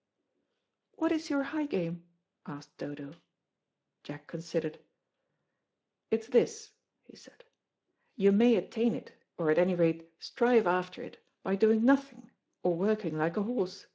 "What is your high game?" asked Dodo. Jack considered. "It's this," he said. "You may attain it, or at any rate strive after it, by doing nothing, or working like a horse.